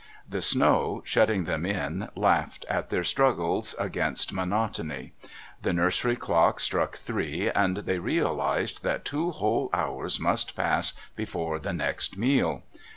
The snow, shutting them in, laughed at their struggles against monotony. The nursery clock struck three and they realised that two whole hours must pass before the next meal.